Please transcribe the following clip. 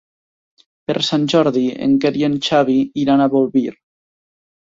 Per Sant Jordi en Quer i en Xavi iran a Bolvir.